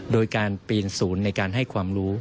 โดยการปีนศูนย์ในการให้ความรู้